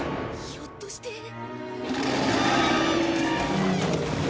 ひょっとして。